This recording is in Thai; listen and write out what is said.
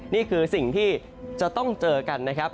นี่คือสิ่งที่จะต้องเจอกันนะครับ